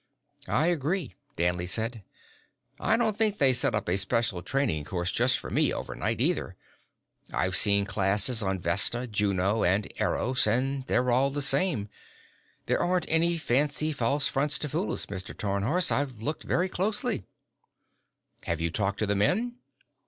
"I agree," Danley said. "I don't think they set up a special training course just for me overnight, either. I've seen classes on Vesta, Juno, and Eros and they're all the same. There aren't any fancy false fronts to fool us, Mr. Tarnhorst: I've looked very closely." "Have you talked to the men?"